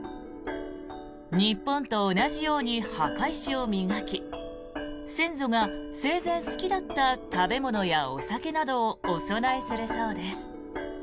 日本と同じように墓石を磨き先祖が生前好きだった食べ物やお酒などをお供えするそうです。